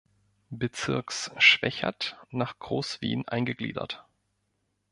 Bezirks Schwechat nach Groß-Wien eingegliedert.